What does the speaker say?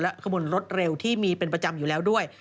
ขบวนรถเร็วที่มีเป็นประจำอยู่แล้วด้วย